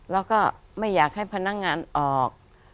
แล้วก็ไม่อยากให้พนักงานออก